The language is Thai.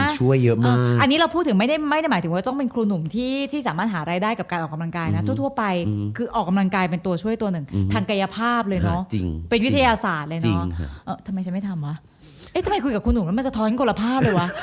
ตอนนั้นคิดไหมครับว่า